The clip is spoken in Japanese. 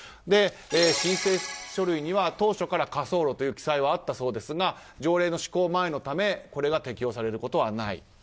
申請書類には当初から火葬炉という記載はあったようですが条例の施行前のためこれが適用されることはない。